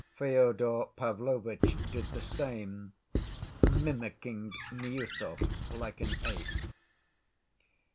Fyodor Pavlovitch did the same, mimicking Miüsov like an ape.